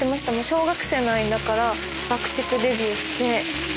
小学生の間から爆竹デビューして。